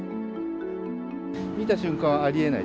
見た瞬間、ありえない。